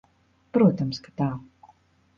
Protams, ka tā.